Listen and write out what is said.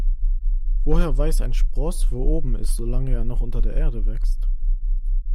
Woher weiß ein Spross, wo oben ist, solange er noch unter der Erde wächst?